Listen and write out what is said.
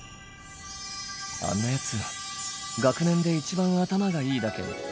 あんなヤツ学年で一番頭がいいだけの